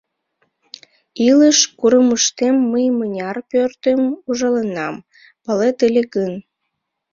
Илыш курымыштем мый мыняр пӧртым ужаленам, палет ыле гын...